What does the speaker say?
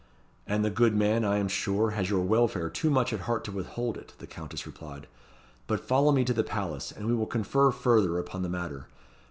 "And the good man, I am sure, has your welfare too much at heart to withhold it," the Countess replied. "But follow me to the palace, and we will confer further upon the matter.